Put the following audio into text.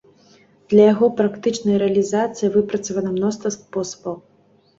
Для яго практычнай рэалізацыі выпрацавана мноства спосабаў.